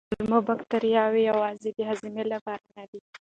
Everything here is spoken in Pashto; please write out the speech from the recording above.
کولمو بکتریاوې یوازې د هضم لپاره نه دي.